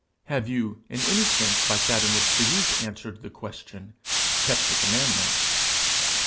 Have you, in any sense like that in which the youth answered the question, kept the commandments?